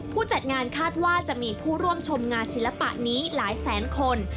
จัดงานคาดว่าจะมีผู้ร่วมชมงานศิลปะนี้หลายแสนคน